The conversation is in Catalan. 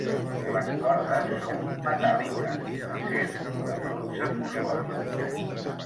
Les cordes són metàl·liques, d'acer o de bronze fosfòric.